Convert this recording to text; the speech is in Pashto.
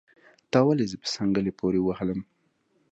تا ولې زه په څنګلي پوري وهلم